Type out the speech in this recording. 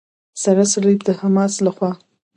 سره صلیب د حماس لخوا.